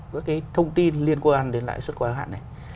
các cái thông tin liên quan đến lại xuất khóa hạn này